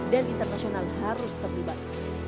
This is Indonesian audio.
dan internasional harus terlibat